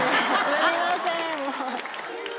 すみませんもう。